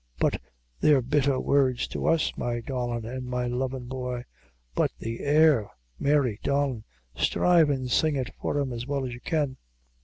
but they're bitther words to us, my darlin' an' my lovin' boy. But the air, Mary, darlin', strive an' sing it for him as well as you can."